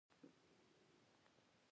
زه له چا سره جنګ نه کوم.